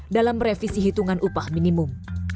dalam revisi hitungan upah minimum